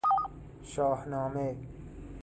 شاهنامه